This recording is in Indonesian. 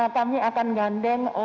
kami akan gandeng